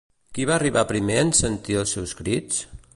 Qui va arribar primer en sentir els seus crits?